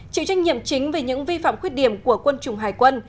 chịu trách nhiệm chính về những vi phạm khuyết điểm của quân chủng hải quân